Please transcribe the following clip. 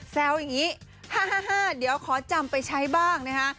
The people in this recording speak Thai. อย่างนี้๕๕เดี๋ยวขอจำไปใช้บ้างนะคะ